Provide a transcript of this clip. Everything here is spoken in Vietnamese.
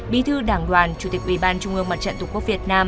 bi thư đảng đoàn chủ tịch ubnd